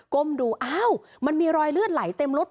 ้มดูอ้าวมันมีรอยเลือดไหลเต็มรถ